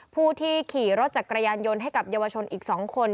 ผู้ที่ขี่รถจักรยานยนต์ให้กับเยาวชนอีก๒คน